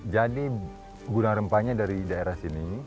jadi gudang rempahnya dari daerah sini